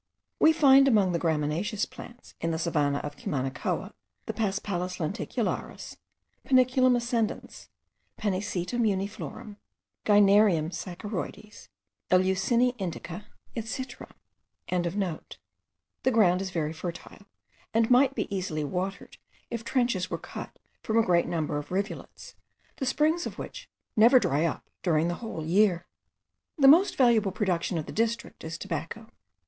We find among the gramineous plants, in the savannah of Cumanacoa, the Paspalus lenticularis, Panicum ascendens, Pennisetum uniflorum, Gynerium saccharoides, Eleusine indica, etc.) The ground is very fertile, and might be easily watered if trenches were cut from a great number of rivulets, the springs of which never dry up during the whole year. The most valuable production of the district is tobacco.